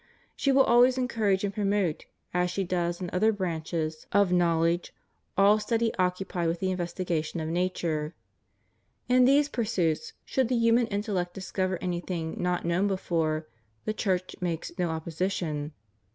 She will always en courage and promote, as she does in other branches of CHRISTIAN CONSTITUTION OF STATES. 129 knowledge, all study occupied with the investigation of nature. In these pursuits, should the human intellect discover anything not known before, the Church makes no opposition.